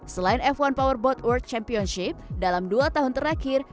selain f satu powerboat world championship dalam dua tahun terakhir